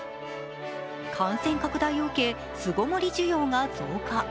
感染拡大を受け、巣ごもり需要が増加。